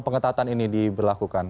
pengetatan ini diberlakukan